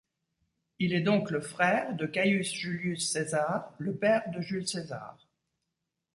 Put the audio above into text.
Il est donc le frère de Caius Julius Caesar, le père de Jules César.